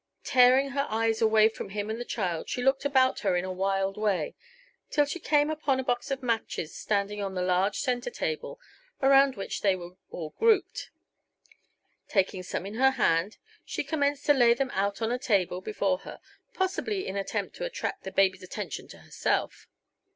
Tearing her eyes away from him and the child, she looked about her in a wild way, till she came upon a box of matches standing on the large center table around which they were all grouped. Taking some in her hand, she commenced to lay them out on the table before her, possibly in an attempt to attract the baby's attention to herself.